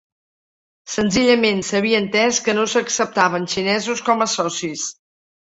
Senzillament s'havia entès que no s'acceptaven xinesos com a socis".